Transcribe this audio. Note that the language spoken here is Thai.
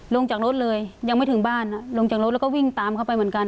ลงจากรถเลยยังไม่ถึงบ้านลงจากรถแล้วก็วิ่งตามเข้าไปเหมือนกัน